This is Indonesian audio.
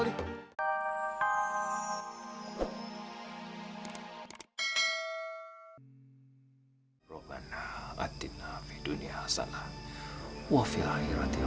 iya seperti suara benduk tapi suara besar sekali